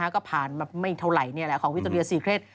ก็ผ่านมาไม่เท่าไหร่นี่แหละของวิทยาลัยสีเคล็ด